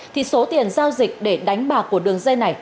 thì số tiền giao dịch để đánh bạc của đường dây này